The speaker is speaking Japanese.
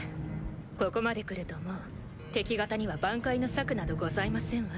ここまでくるともう敵方には挽回の策などございませんわ。